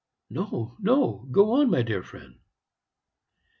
"No, no; go on, my dear friend."